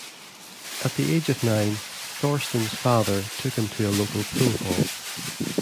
At the age of nine Thorsten's father took him to a local pool hall.